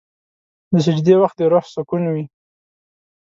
د سجدې وخت د روح سکون وي.